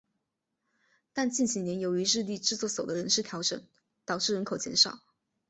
但近几年由于日立制作所的人事调整导致人口减少。